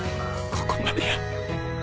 ここまでや。